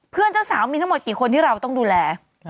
เจ้าสาวมีทั้งหมดกี่คนที่เราต้องดูแล